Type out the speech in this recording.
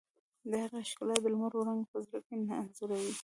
د هغې ښکلا د لمر وړانګې په زړه کې انځوروي.